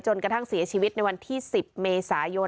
กระทั่งเสียชีวิตในวันที่๑๐เมษายน